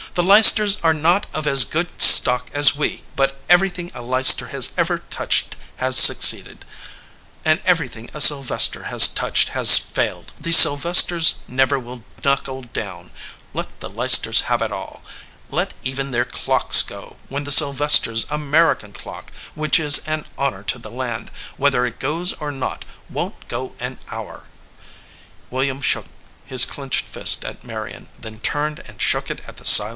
"The Leicesters are not of as good stock as we; but everything a Leicester has ever touched has suc ceeded, and everything a Sylvester has touched has failed. The Sylvesters never will knuckle down. Let the Leicesters have it all. Let even their clocks go, when the Sylvesters American clock, which is an honor to the land, whether it goes or not, won t go an hour." William shook his clenched fist at Marion, then turned and shook it at the silent clock.